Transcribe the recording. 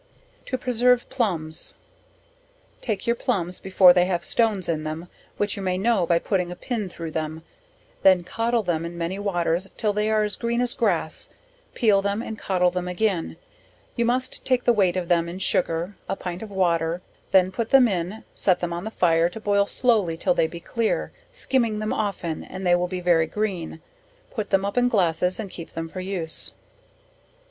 To preserve Plumbs. Take your plumbs before they have stones in them, which you may know by putting a pin through them, then codle them in many waters till they are as green as grass, peel them and coddle them again; you must take the weight of them in sugar, a pint of water, then put them in, set them on the fire, to boil slowly till they be clear, skiming them often, and they will be very green; put them up in glasses and keep them for use.